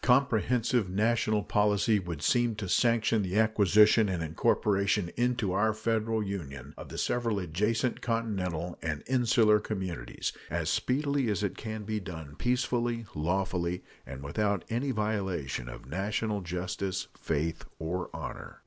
Comprehensive national policy would seem to sanction the acquisition and incorporation into our Federal Union of the several adjacent continental and insular communities as speedily as it can be done peacefully, lawfully, and without any violation of national justice, faith, or honor.